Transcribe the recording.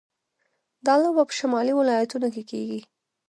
دا لوبه په شمالي ولایتونو کې کیږي.